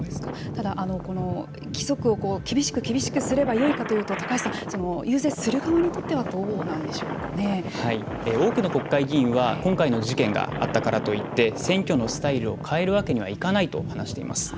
ただこの規則を厳しく厳しくすればよいかというと高橋さん、遊説する側にとっては多くの国会議員は今回の事件があったからといって選挙のスタイルを変えるわけにはいかないと話しています。